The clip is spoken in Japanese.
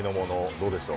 どうでしょう？